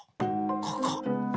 ここ！